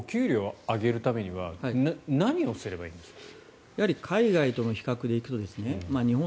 これ、お給料を上げるためには何をすればいいんですか？